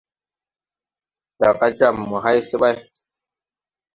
Daga jam mo hay se ɓay.